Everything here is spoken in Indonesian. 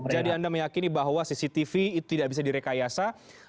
jadi anda meyakini bahwa cctv itu tidak bisa direkayasa